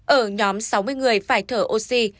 ở nhóm sáu mươi người phải thở oxy